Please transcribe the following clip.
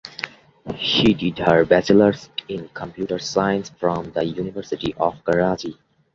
She did her Bachelors in Computer Science from the University Of Karachi.